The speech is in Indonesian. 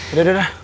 udah udah udah